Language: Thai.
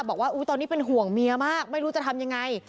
บอกว่าตอนนี้เป็นห่วงเมียมากไม่รู้จะทำยังไง